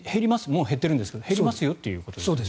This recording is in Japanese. もう減ってるんですけど減りますよということですね。